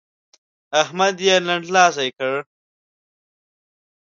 احمد يې لنډلاسی کړ.